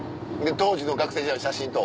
当時の学生時代の写真と。